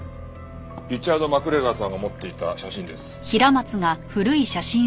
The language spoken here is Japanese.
リチャード・マクレガーさんが持っていた写真です。